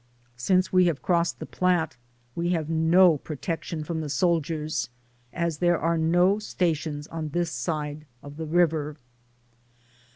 Since we have crossed the Platte we have no protection from the soldiers, as there are no stations on this side the river.